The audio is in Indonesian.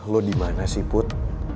lo dimana sih put